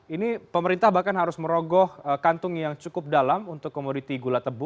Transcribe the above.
ini pemerintah bahkan harus merogoh kantung yang cukup dalam untuk komoditi gula tebu